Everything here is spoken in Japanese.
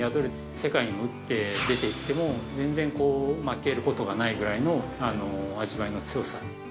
世界にも打って出ていっても全然負けることがないぐらいの味わいの強さ。